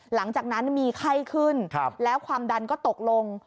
หลังจากนั้นมีไข้ขึ้นแล้วความดันก็ตกลง